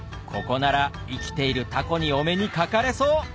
ここなら生きているタコにお目にかかれそう！